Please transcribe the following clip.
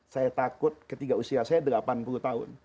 saya takut ketika usia saya delapan puluh tahun